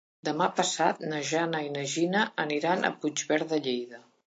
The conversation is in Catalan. Demà passat na Jana i na Gina aniran a Puigverd de Lleida.